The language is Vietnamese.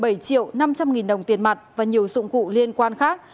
một mươi bảy triệu năm trăm linh nghìn đồng tiền mặt và nhiều dụng cụ liên quan khác